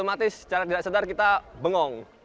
otomatis secara tidak sadar kita bengong